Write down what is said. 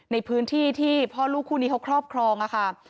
ในพื้นที่ที่พ่อลูกคู่นี้เขาครอบครองค่ะ